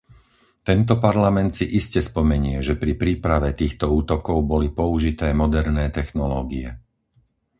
Tento Parlament si iste spomenie, že pri príprave týchto útokov boli použité moderné technológie.